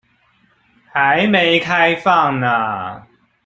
還沒開放呢